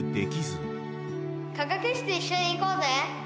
科学室一緒に行こうぜ。